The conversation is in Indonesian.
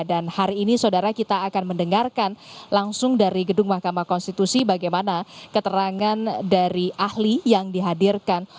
dan hari ini saudara kita akan mendengarkan langsung dari gedung mahkamah konstitusi bagaimana keterangan dari ahli yang dihadirkan